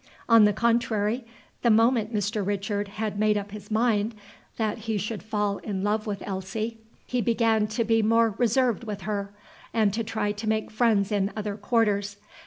On the contrary, the moment Mr. Richard had made up his mind that he should fall in love with Elsie, he began to be more reserved with her, and to try to make friends in other quarters.